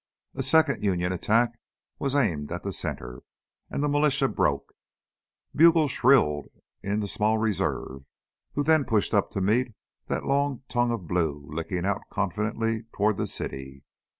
A second Union attack was aimed at the center, and the militia broke. Bugles shrilled in the small reserve, who then pushed up to meet that long tongue of blue licking out confidently toward the city.